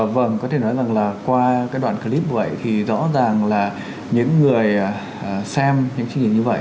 vâng có thể nói rằng là qua cái đoạn clip vậy thì rõ ràng là những người xem những chương trình như vậy